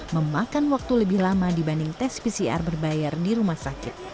memakan waktu lebih lama dibanding tes pcr berbayar di rumah sakit